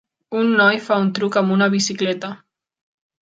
Un noi fa un truc amb una bicicleta.